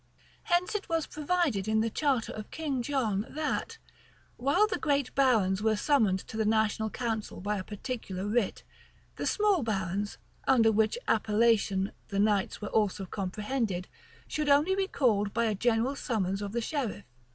Hence it was provided in the charter of King John, that, while the great barons were summoned to the national council by a particular writ, the small barons, under which appellation the knights were also comprehended, should only be called by a general summons of the sheriff.